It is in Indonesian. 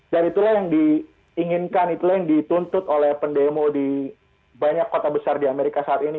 dan itulah yang diinginkan itulah yang dituntut oleh pendemo di banyak kota besar di amerika saat ini